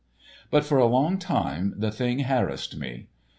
But for a long time the thing harassed me.